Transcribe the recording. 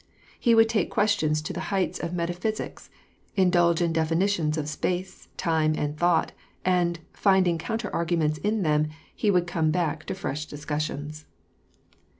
He would take questions to the heights of metaphysics, indulge in definitions of space, time, and thought, and, finding counter arguments in them, he would come back to fresh discussions.